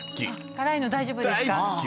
辛いの大丈夫ですか？